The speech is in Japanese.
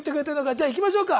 じゃあいきましょうか。